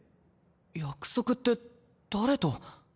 約束って誰と？